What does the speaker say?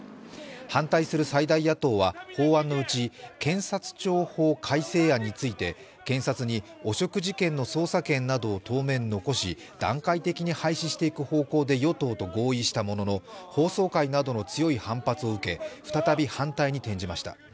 反対する最大野党は、法案のうち検察庁法改正案について検察に汚職事件の捜索権などを当面残し、段階的に廃止していく方向で与党と合意したものの、法曹界などの強い反発を受け、再び反対に転じました。